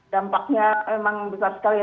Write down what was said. dampaknya memang besar sekali